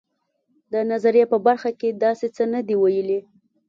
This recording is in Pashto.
د نظریې په برخه کې داسې څه نه دي ویلي.